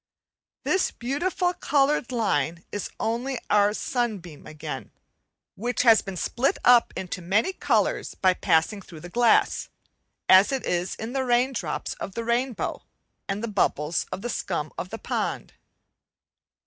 This beautiful coloured line is only our sunbeam again, which has been split up into many colours by passing through the glass, as it is in the rain drops of the rainbow and the bubbles of the scum of the pond.